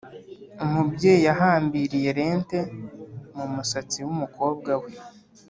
umubyeyi yahambiriye lente mu musatsi wumukobwa we.